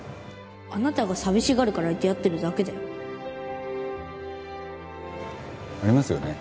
あなたが寂しがるからいてやってるだけだよ。ありますよね？